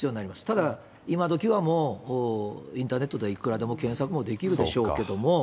ただ、今どきはもう、インターネットでいくらでも検索もできるでしょうけれども。